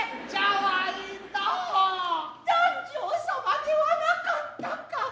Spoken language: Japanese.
彈正様ではなかったか。